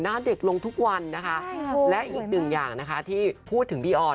หน้าเด็กลงทุกวันนะคะและอีกหนึ่งอย่างนะคะที่พูดถึงพี่ออน